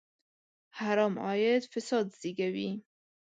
حرام عاید فساد زېږوي.